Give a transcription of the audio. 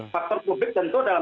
faktor publik tentu adalah